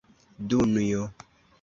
Dunjo!